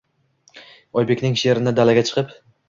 Oybekning she’rini dalaga chiqib